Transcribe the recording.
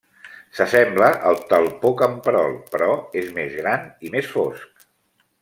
S'assembla al talpó camperol però és més gran i més fosc.